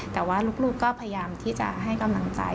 แต่ว่าลูกก็พยายามที่จะให้กำลังใจ